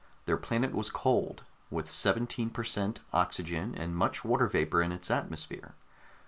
Their planet was cold, with 17 per cent oxygen and much water vapor in its atmosphere.